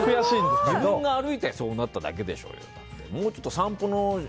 自分が歩いてそうなっただけでしょうよ。